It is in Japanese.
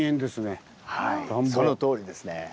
はいそのとおりですね。